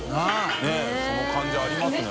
覆ねぇその感じありますね